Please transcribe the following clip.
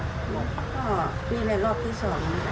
อ๋อนี่มันรอบที่สอง